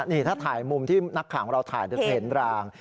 นี่ถ้าถ่ายมุมที่นักข่าวของเราถ่ายเดี๋ยวจะเห็นราง